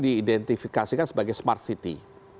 diidentifikasikan sebagai smart city